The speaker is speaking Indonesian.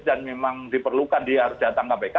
dan memang diperlukan dia harus datang kpk